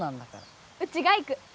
うちが行く。